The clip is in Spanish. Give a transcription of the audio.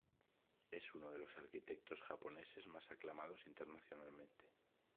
Es uno de los arquitectos japoneses más aclamados internacionalmente.